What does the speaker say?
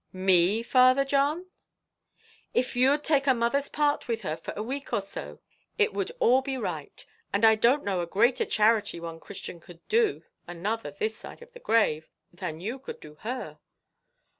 "Me, Father John!" "If you'd take a mother's part with her for a week or so, it would all be right; and I don't know a greater charity one Christian could do another this side the grave, than you could do her."